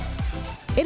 irene wardani jakarta